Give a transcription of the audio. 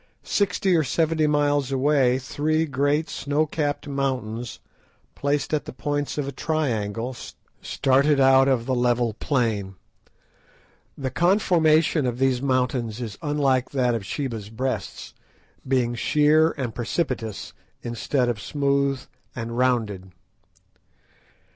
Sixty or seventy miles away three great snow capped mountains, placed at the points of a triangle, started out of the level plain. The conformation of these mountains is unlike that of Sheba's Breasts, being sheer and precipitous, instead of smooth and rounded.